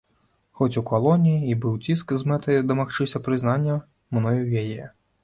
Хоць у калоніі і быў ціск з мэтай дамагчыся прызнання мной яе.